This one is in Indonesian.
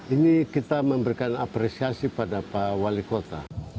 ini kita memberikan apresiasi pada pak wali kota